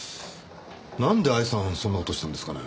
なんで愛さんはそんな事したんですかね？